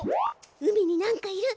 海に何かいる。